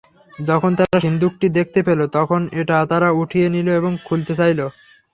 যখন তারা সিন্দুকটি দেখতে পেল, তখন এটা তারা উঠিয়ে নিল এবং খুলতে চাইল।